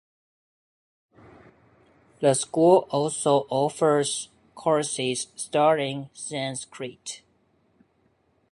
The school also offers courses studying Sanskrit.